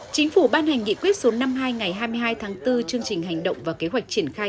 chính phủ ban hành nghị quyết số năm mươi hai ngày hai mươi hai tháng bốn chương trình hành động và kế hoạch triển khai